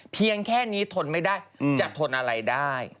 เพียงแค่นี้ทนไม่ได้จะทนอะไรได้